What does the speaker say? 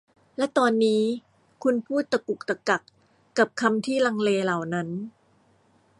และตอนนี้คุณพูดตะกุกตะกักกับคำที่ลังเลเหล่านั้น